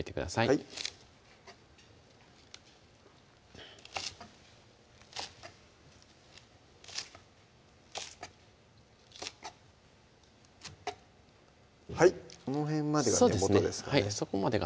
はいはいこの辺までが根元ですかね